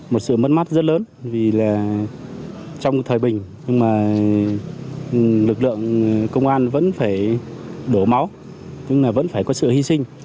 một sự mất mát rất lớn vì trong thời bình lực lượng công an vẫn phải đổ máu vẫn phải có sự hy sinh